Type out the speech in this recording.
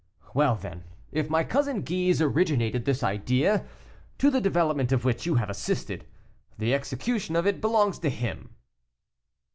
Well, then, if my cousin Guise originated this idea, to the development of which you have assisted, the execution of it belongs to him."